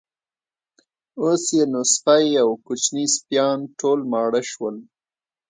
اوس یې نو سپۍ او کوچني سپیان ټول ماړه شول.